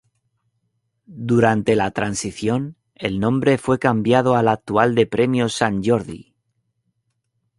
Durante la Transición, el nombre fue cambiado al actual de Premios Sant Jordi.